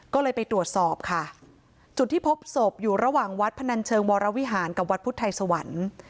ก็เลยไปตรวจสอบค่ะจุดที่พบศพอยู่ระหว่างวัดพนันเชิงวรวิหารกับวัดพุทธไทยสวรรค์